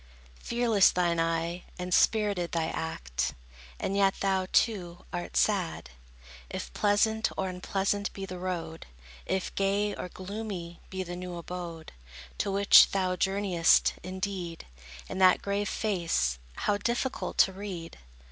Fearless thine eye, and spirited thy act; And yet thou, too, art sad. If pleasant or unpleasant be the road, If gay or gloomy be the new abode, To which thou journeyest, indeed, In that grave face, how difficult to read!